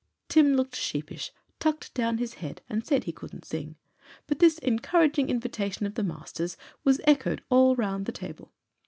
Tim looked sheepish, tucked down his head, and said he couldn't sing; but this encouraging invitation of the master's was echoed all round the table.